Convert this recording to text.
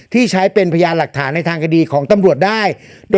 ที่ใช้เป็นพยานหลักฐานในทางคดีของตำรวจได้